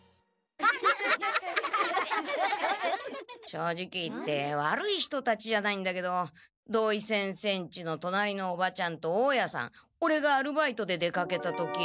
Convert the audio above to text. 正直言って悪い人たちじゃないんだけど土井先生んちの隣のおばちゃんと大家さんオレがアルバイトで出かけた時。